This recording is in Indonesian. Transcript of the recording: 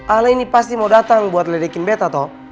ahle ini pasti mau datang buat ledekin bete toh